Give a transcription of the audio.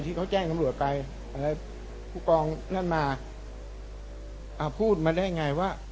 ที่เขาแจ้งตำรวจไปอะไรผู้กองนั่นมาอ่าพูดมาได้ไงว่า